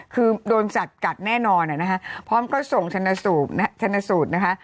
คือโดนสัตว์กัดแน่นอนนะคะพร้อมก็ส่งชนะสูตรชนสูตรนะคะ